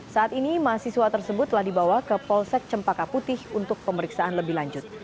saat ini mahasiswa tersebut telah dibawa ke polsek cempaka putih untuk pemeriksaan lebih lanjut